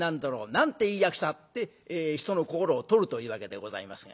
「なんていい役者」って人の心をとるというわけでございますが。